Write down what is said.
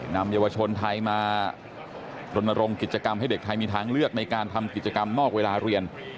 นำเยาวชนไทยมารณรงค์กิจกรรมให้เด็กไทยมีทางเลือกในการทำกิจกรรมนอกเวลาเรียน